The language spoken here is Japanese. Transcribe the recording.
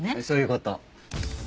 そういう事。